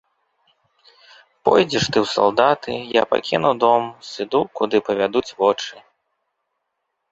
Пойдзеш ты ў салдаты, я пакіну дом, сыду, куды павядуць вочы.